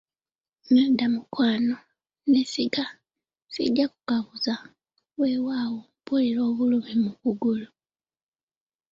Nedda mukwano, neesiga, sijja kukabuza, weewaawo mpulira obulumi mu kugulu.